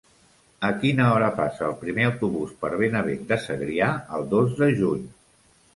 A quina hora passa el primer autobús per Benavent de Segrià el dos de juny?